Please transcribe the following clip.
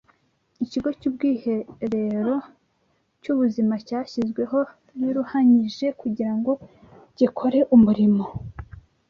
Ikigo cy’Ubwiherero cy’Ubuzima cyashyizweho biruhanyije kugira ngo gikore umurimo